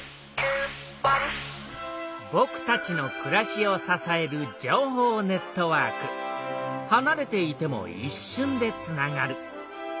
ぼくたちのくらしをささえるはなれていてもいっしゅんでつながる。